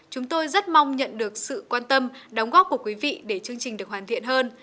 chúng tôi rất mong nhận được sự quan tâm đóng góp của quý vị để chương trình được hoàn thiện hơn